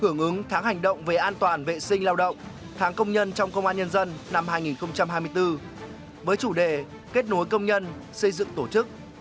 hưởng ứng tháng hành động về an toàn vệ sinh lao động tháng công nhân trong công an nhân dân năm hai nghìn hai mươi bốn với chủ đề kết nối công nhân xây dựng tổ chức